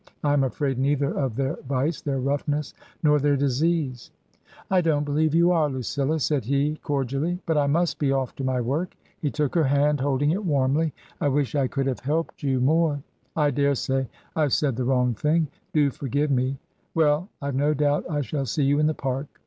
I am afraid neither of their vice, their roughness, nor their disease." " I don't believe you are, Lucilla," said he, cordially. " But I must be off* to my work." He took her hand, holding it warmly. "I wish I could have helped you 154 TRANSITION, more. I daresay I've said the wrong thing. Do for give me. Well! Tve no doubt I shall see you in the Park."